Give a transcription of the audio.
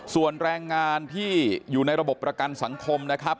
ส่วนแรงงานที่อยู่ในระบบประกันสังคมนะครับ